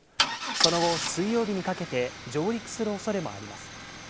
その後、水曜日にかけて上陸する恐れもあります。